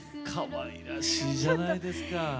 かわいらしいじゃないですか。